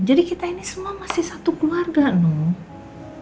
jadi kita ini semua masih satu keluarga noh